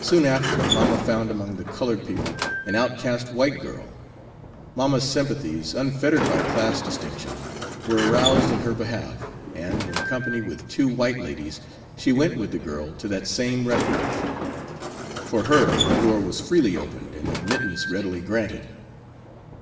Soon after mamma found among the colored people an outcast white girl. Mamma's sympathies, unfettered by class distinction, were aroused in her behalf, and, in company with two white ladies, she went with the girl to that same refuge. For her the door was freely opened and admittance readily granted.